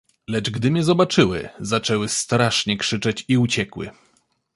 "Lecz gdy mnie zobaczyły, zaczęły strasznie krzyczeć i uciekły."